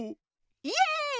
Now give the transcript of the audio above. イエーイ